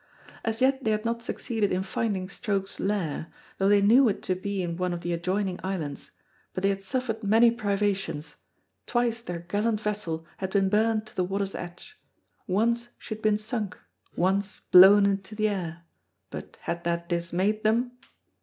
As yet they had not succeeded in finding Stroke's Lair, though they knew it to be in one of the adjoining islands, but they had suffered many privations, twice their gallant vessel had been burned to the water's edge, once she had been sunk, once blown into the air, but had that dismayed them?